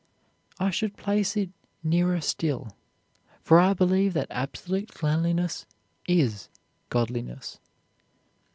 I should place it nearer still, for I believe that absolute cleanliness is godliness.